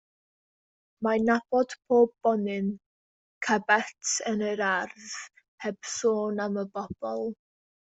Mae'n nabod pob bonyn cabaets yn yr ardd, heb sôn am y bobl.